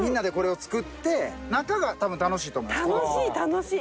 楽しい楽しい。